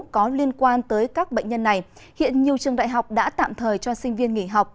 có liên quan tới các bệnh nhân này hiện nhiều trường đại học đã tạm thời cho sinh viên nghỉ học